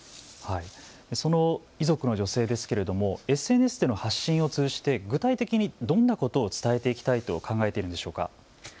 その遺族の女性ですけれどもＳＮＳでの発信を通じて具体的にどんなことを伝えていきたいと考えているのでしょうか。